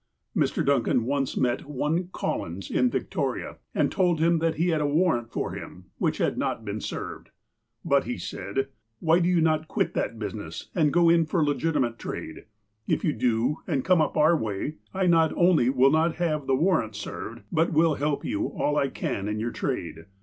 Mr. Duncan once met one Collins in Victoria, and told him that he had a warrant for him, which had not been served. '' But," said he, why do you not quit that business, and go in for legitimate trade ? If you do, and come up our way, I not only will not have that warrant served, but will help you all I can in your trade.